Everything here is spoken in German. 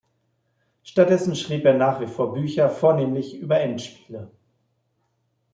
Stattdessen schrieb er nach wie vor Bücher, vornehmlich über Endspiele.